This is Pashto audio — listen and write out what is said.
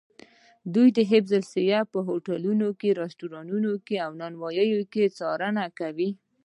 دوی د حفظ الصحې په هوټلونو، رسټورانتونو او نانوایانو کې څارنه کوي.